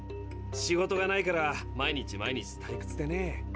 仕事がないから毎日毎日退くつでね。